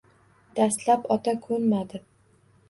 Dastlab ota ko‘nmadi